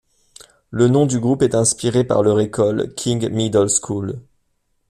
Le nom du groupe est inspiré par leur école, King Middle School.